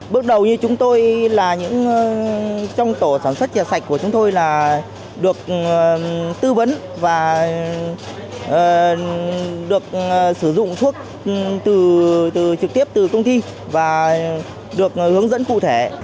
bước đầu như chúng tôi là trong tổ sản xuất trà sạch của chúng tôi là được tư vấn và được sử dụng thuốc trực tiếp từ công ty và được hướng dẫn cụ thể